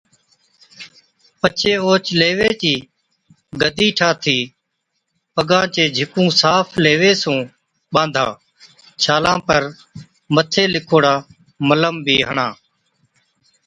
پڇي اوهچ ليوي چِي گڌِي ٺاهٿِي پگان چي جھِڪُون صاف ليوي سُون ٻانڌا۔ ڇالان پر مٿي لِکوڙا ملم بِي هڻا